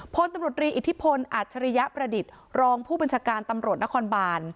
พลตำรวจรีอิทธิพลอัจฉริยประดิษฐ์รองผู้บัญชาการตำรวจนครบาน